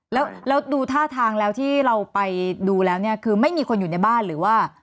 แล้วดูท่าทางแล้วที่เราไปดูแล้วเนี่ยคือไม่มีคนอยู่ในบ้านหรือว่า